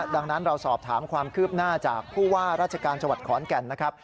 ดังนั้นเราสอบถามความคืบหน้าจากผู้ว่าราชการจังหวัดขอนแก่นนะครับ